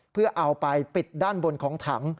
เพื่อเอาไปปิดด้านบนของถัง